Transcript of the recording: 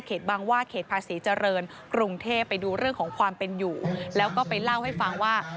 บางว่าเขตภาษีเจริญกรุงเทพไปดูเรื่องของความเป็นอยู่แล้วก็ไปเล่าให้ฟังว่า